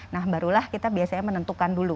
nah barulah kita biasanya menentukan dulu